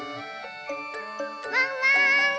ワンワーン！